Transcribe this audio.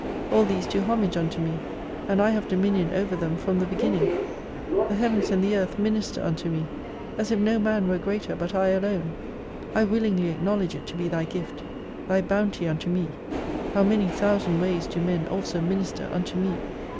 All these do homage unto me, and I have dominion over them from the Beginning ! The Heavens and the Earth minister unto me, as if no man were greater, but I alone. I willingly acknowledge it to be thy Gift ! thy bounty unto me ! How many thousand ways do men also minister unto me